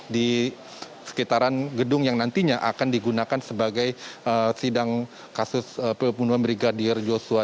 di sekitaran gedung yang nantinya akan digunakan sebagai sidang kasus pembunuhan brigadir joshua